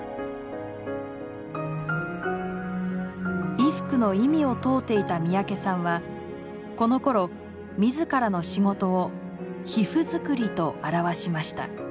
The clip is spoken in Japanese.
衣服の意味を問うていた三宅さんはこのころ自らの仕事を「皮膚づくり」と表しました。